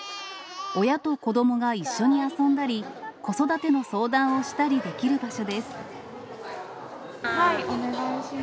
親と子どもが一緒に遊んだり、子育ての相談をしたりできる場所お願いします。